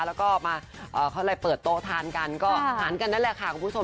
แล้วก็มาเขาอะไรเปิดโต๊ะทานกันก็ทานกันนั่นแหละค่ะคุณผู้ชม